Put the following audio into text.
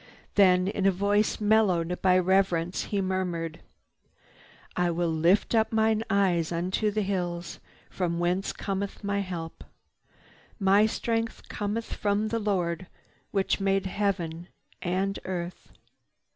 Then in a voice mellowed by reverence, he murmured: "'I will lift up mine eyes unto the hills From whence cometh my help. My strength cometh from the Lord Which made heaven and earth.